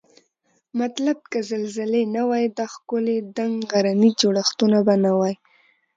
مطلب که زلزلې نه وای دا ښکلي دنګ غرني جوړښتونه به نوای